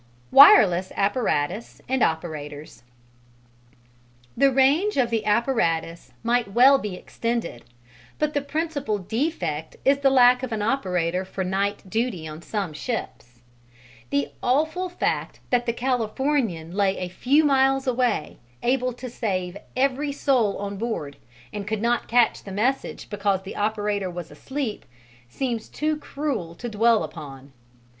Wireless apparatus and operators The range of the apparatus might well be extended, but the principal defect is the lack of an operator for night duty on some ships. The awful fact that the Californian lay a few miles away, able to save every soul on board, and could not catch the message because the operator was asleep, seems too cruel to dwell upon.